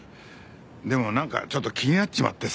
でもなんかちょっと気になっちまってさ。